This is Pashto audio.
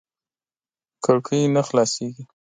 کړکۍ نه خلاصېږي .